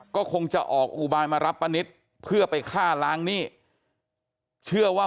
ก็คงจะออกอุบายมารับป้านิตเพื่อไปฆ่าล้างหนี้เชื่อว่า